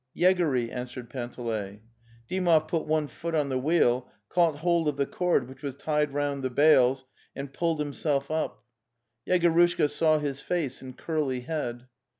" Yegory," answered Panteley. Dymovy put one foot on the wheel, caught hold of the cord which was tied round the bales and pulled himself up. Yegorushka saw his face and curly head.